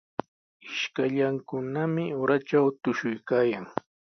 Ishkallankunami uratraw tushuykaayan.